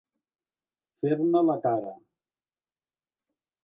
Fer-ne la cara.